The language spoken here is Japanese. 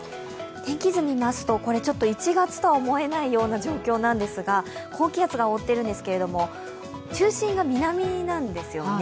天気図を見ますと、１月とは思えないような状況なんですが、高気圧が覆っているんですけども、中心が南なんですよね。